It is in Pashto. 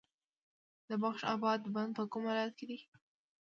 د بخش اباد بند په کوم ولایت کې دی؟